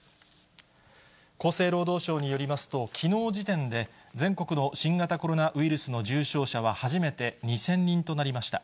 厚生労働省によりますと、きのう時点で全国の新型コロナウイルスの重症者は初めて２０００人となりました。